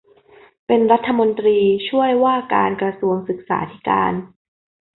เป็นรัฐมนตรีช่วยว่าการกระทรวงศึกษาธิการ